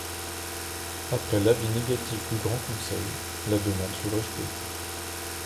Après l'avis négatif du Grand Conseil, la demande fut rejetée.